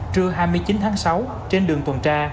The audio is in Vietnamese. trưa hai mươi chín tháng sáu trên đường tuần tra